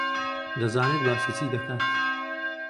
دەزانێت باسی چی دەکات.